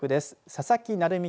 佐々木成美